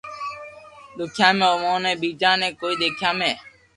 دآکيا ۾ آووہ ھون ٻيجا ني ڪوئي ديکيا ۾